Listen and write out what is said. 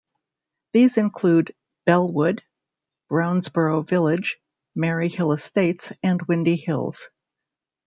These include Bellewood, Brownsboro Village, Maryhill Estates and Windy Hills.